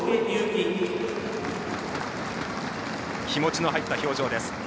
気持ちの入った表情です。